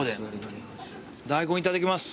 大根いただきます。